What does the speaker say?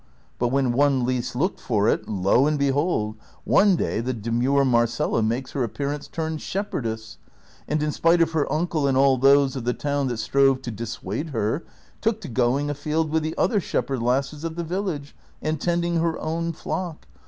r>ut when one least looked for it, lo and behold! one day the demure Marcela makes her appearance turned she})herdess ; and, in spite of her uncle and all those of the tOAvn that strove to dissuade her, took to going a field with the other shepherd lasses of the village, and tending her own flock.